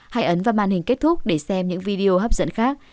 hãy ấn và màn hình kết thúc để xem những video hấp dẫn khác